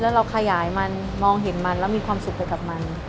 แล้วเราขยายมันมองเห็นมันแล้วมีความสุขไปกับมัน